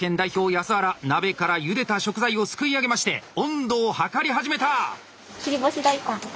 安原鍋からゆでた食材をすくい上げまして温度を測り始めた！